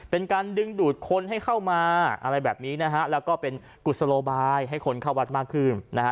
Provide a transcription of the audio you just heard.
เป็นการดึงดูดคนให้เข้ามาอะไรแบบนี้นะฮะแล้วก็เป็นกุศโลบายให้คนเข้าวัดมากขึ้นนะฮะ